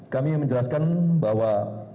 kami menjelaskan bahwa